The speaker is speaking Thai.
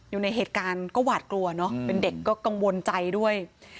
อยู่ในเหตุการณ์ก็หวาดกลัวเนอะเป็นเด็กก็กังวลใจด้วย